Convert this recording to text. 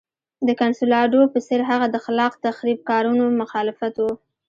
د کنسولاډو په څېر هغه د خلاق تخریب کارونو مخالف و.